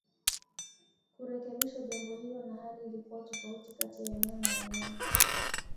Kurekebisho jambo hilo na hali ilikuwa tofauti kati ya eneo na eneo